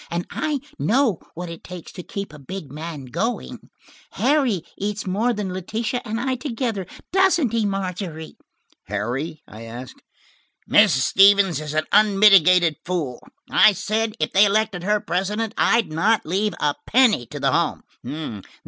And I know what it takes to keep a big man going. Harry eats more than Letitia and I together. Doesn't he, Margery?" "Harry?" I asked. "Mrs. Stevens is an unmitigated fool. I said if they elected her president I'd not leave a penny to the home.